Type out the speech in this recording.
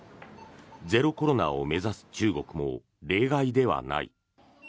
ゼロコロナを目指す中国も例外ではない。